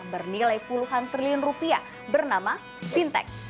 bernilai puluhan triliun rupiah bernama fintech